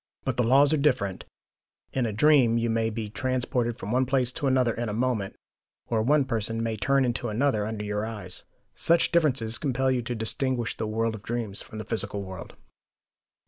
But the laws are different: in a dream you may be transported from one place to another in a moment, or one person may turn into another under your eyes. Such differences compel you to distinguish the world of dreams from the physical world.